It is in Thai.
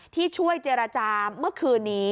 ที่ช่วยเจรจาเมื่อคืนนี้